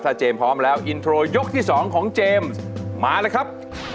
ถ้าเจมส์พร้อมแล้วยกที่สองของเจมส์มาเลยครับ